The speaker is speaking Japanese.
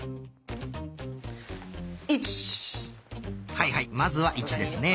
はいはいまずは「１」ですね。